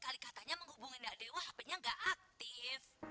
kali katanya menghubungi ndewa hapenya gak aktif